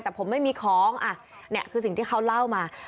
แต่ผมไม่มีของนี่คือสิ่งที่เขาเล่ามา